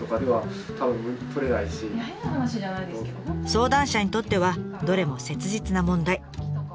相談者にとってはどれも切実な問題。